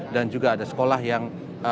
dan juga ada sekolah yang